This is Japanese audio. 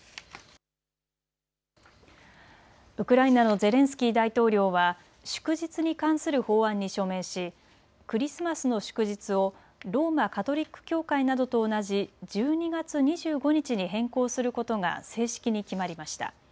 ウクライナのゼレンスキー大統領は祝日に関する法案に署名しクリスマスの祝日をローマ・カトリック教会などと同じ１２月２５日に変更することが正式に決まりました。